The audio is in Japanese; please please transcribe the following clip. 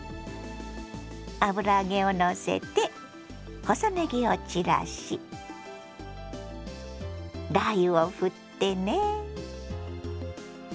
油揚げをのせて細ねぎを散らしラー油をふってね。